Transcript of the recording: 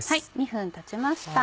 ２分たちました。